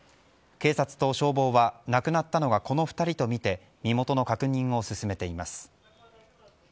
警察と消防は亡くなったのがこの２人とみて身元の確認を進めています。